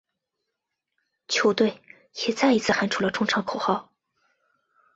球队也再一次喊出了冲超口号。